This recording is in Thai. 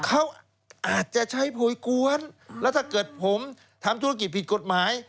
เขาอาจจะใช้โพยกวนแล้วถ้าเกิดผมทำธุรกิจผิดกฎหมาย